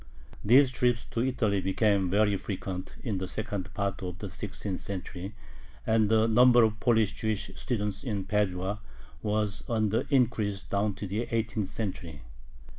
These trips to Italy became very frequent in the second part of the sixteenth century, and the number of Polish Jewish students in Padua was on the increase down to the eighteenth century.